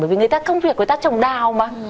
vì người ta công việc người ta trồng đào mà